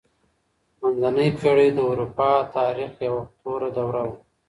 منځنۍ پېړۍ د اروپا د تاريخ يوه توره دوره وه.